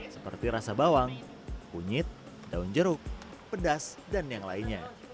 seperti rasa bawang kunyit daun jeruk pedas dan yang lainnya